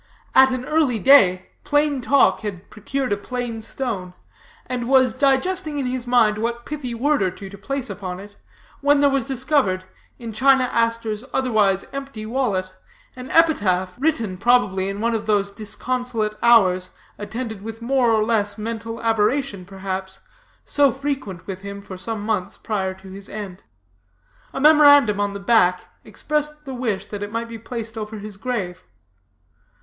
At an early day, Plain Talk had procured a plain stone, and was digesting in his mind what pithy word or two to place upon it, when there was discovered, in China Aster's otherwise empty wallet, an epitaph, written, probably, in one of those disconsolate hours, attended with more or less mental aberration, perhaps, so frequent with him for some months prior to his end. A memorandum on the back expressed the wish that it might be placed over his grave.